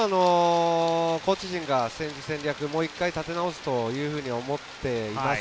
コーチ陣が戦略を立て直すというふうに思っています。